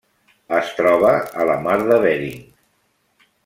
Es troba a la Mar de Bering.